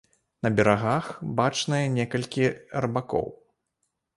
На берагах бачныя некалькі рыбакоў.